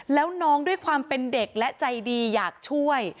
แล้วน้องด้วยความเป็นเด็กและใจดีอยากช่วย